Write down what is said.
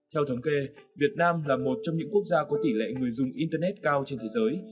theo thống kê việt nam là một trong những quốc gia có tỷ lệ người dùng internet cao trên thế giới